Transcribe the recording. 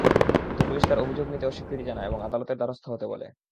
কিন্তু পুলিশ তাঁর অভিযোগ নিতে অস্বীকৃতি জানায় এবং আদালতের দ্বারস্থ হতে বলে।